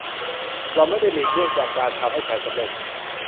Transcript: หล่อนไม่ได้หลีกเลี่ยงจากการทำให้แผนสำเร็จ